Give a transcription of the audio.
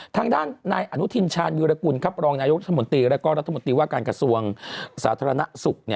ทางด้านนายอนุทินชาญวิรากุลครับรองนายกรัฐมนตรีแล้วก็รัฐมนตรีว่าการกระทรวงสาธารณสุข